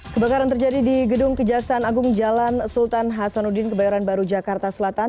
kebakaran terjadi di gedung kejaksaan agung jalan sultan hasanuddin kebayoran baru jakarta selatan